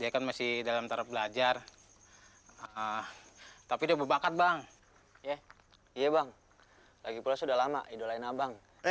kita sholat dulu ya